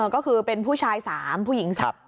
ก็คือเป็นผู้ชาย๓ผู้หญิง๓